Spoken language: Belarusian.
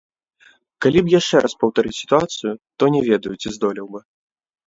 Калі б яшчэ раз паўтарыць сітуацыю, то не ведаю, ці здолеў бы.